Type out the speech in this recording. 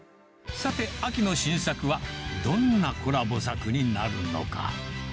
さて、秋の新作は、どんなコラボ作になるのか。